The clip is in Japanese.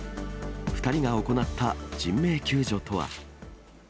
２人が行った人命救助とは。